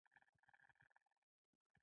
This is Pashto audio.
د غریبانه هوټل په پوښتنه ستړی شوم.